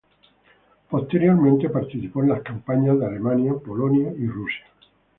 Posteriormente participó en las campañas de Alemania, Polonia y Rusia.